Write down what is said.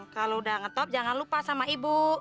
kalau udah ngetop jangan lupa sama ibu